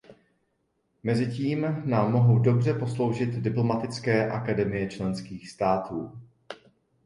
Mezitím nám mohou dobře posloužit diplomatické akademie členských států.